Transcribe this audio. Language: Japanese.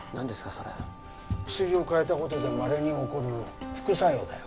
それ薬を替えたことでまれに起こる副作用だよ